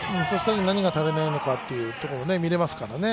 何が足りないのかというところも見られますからね。